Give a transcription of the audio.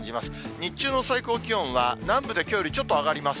日中の最高気温は南部できょうよりちょっと上がります。